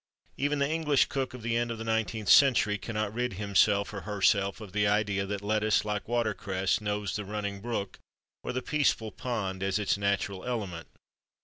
Even the English cook of the end of the nineteenth century cannot rid himself, or herself, of the idea that lettuce, like water cress, knows the running brook, or the peaceful pond, as its natural element.